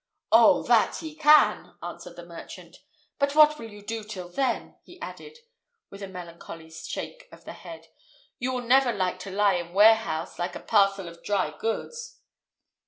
"Oh, that he can!" answered the merchant; "but what will you do till then?" he added, with a melancholy shake of the head; "you will never like to lie in warehouse like a parcel of dry goods."